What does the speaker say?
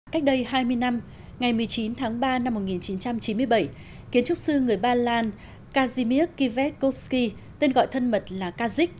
cách đây hai mươi năm ngày một mươi chín tháng ba năm một nghìn chín trăm chín mươi bảy kiến trúc sư người ba lan kazhimirk kiveskovsky tên gọi thân mật là kazik